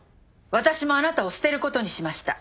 私もあなたを捨てることにしました